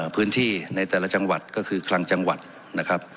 พื้นที่ในแต่ละจังหวัดก็คือคลังจังหวัดนะครับ